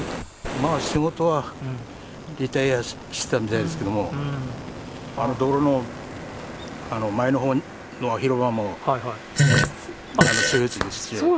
まあ、仕事はリタイヤしたみたいですけど、あの道路の前のほうの広場も所有地でして。